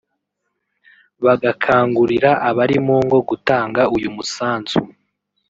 bagakangurira abari mu ngo gutanga uyu musanzu